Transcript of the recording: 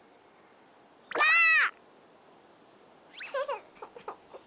ばあっ！